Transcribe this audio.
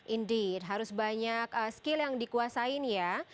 indeed harus banyak skill yang dikuasain ya